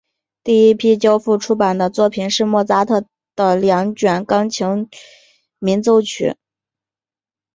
第一批交付出版的作品是莫扎特的两卷钢琴奏鸣曲。